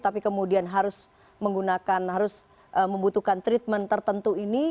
tapi kemudian harus menggunakan harus membutuhkan treatment tertentu ini